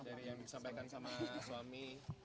dari yang disampaikan sama suami